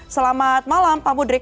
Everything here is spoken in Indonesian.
selamat malam pak mudrik